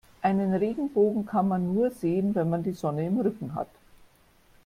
Einen Regenbogen kann man nur sehen, wenn man die Sonne im Rücken hat.